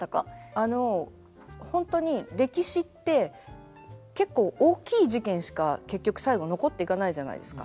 あの本当に歴史って結構大きい事件しか結局最後残っていかないじゃないですか。